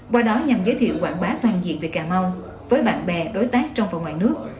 qua đó nhằm giới thiệu quảng bá toàn diện về cà mau với bạn bè đối tác trong và ngoài nước